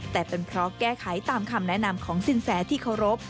แต่เป็นเพราะแก้ไขตามคำแนะนำของสินแสที่เคารพ